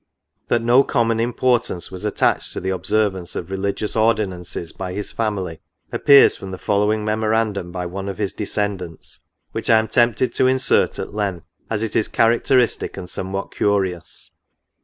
That no common importance was attached to the observance of religious ordinances by his family, appears from the following memorandum by one of his descendants, which I am tempted to insert at length, as it is characteristic, and somewhat curious.